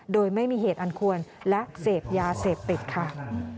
โดยไม่มีเหตุอันควรและเสพยาเสพติดค่ะ